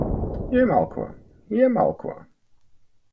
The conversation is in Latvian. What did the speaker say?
Iemalko. Iemalko.